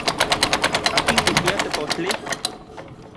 ¿Akin kipia tepostli?